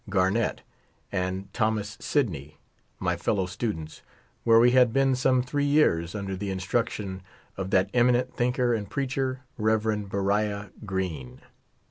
Garnett and Thomas Sidney, my fel low students, where we luul been some three years under the instruction ot that eminent thinker and preacher, Rev. Beriah Green.